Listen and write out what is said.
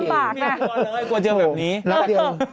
ไม่กลัวเลยกลัวเจอกับแบบนี้รักเดียว